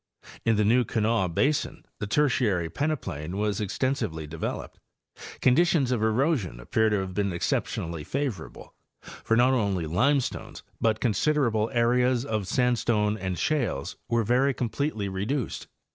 In the New Kanawha basin the Tertiary pene plain was extensively developed ; conditions of erosion appear to have been exceptionally favorable, for not only limestones but considerable areas of sandstone and shales were very completely reduced.